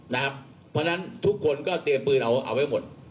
เพราะฉะนั้นทุกคนก็เตรียมปืนเอาไว้หมด